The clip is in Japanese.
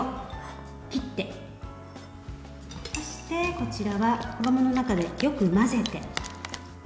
そして、こちらは衣の中でよく混ぜて。